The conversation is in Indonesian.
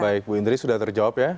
baik bu indri sudah terjawab ya